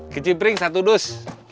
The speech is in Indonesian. kici pring satu dus